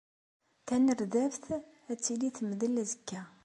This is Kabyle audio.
Tanerdabt ad tili temdel azekka.